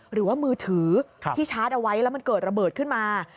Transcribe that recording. หรือว่ามือถือที่ชาร์จเอาไว้แล้วมันเกิดระเบิดขึ้นมา